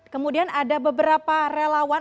kemudian ada beberapa relawan